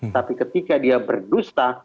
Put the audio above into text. tapi ketika dia berdusta